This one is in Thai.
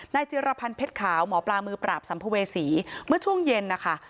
จิรพันธ์เพชรขาวหมอปลามือปราบสัมภเวษีเมื่อช่วงเย็นนะคะ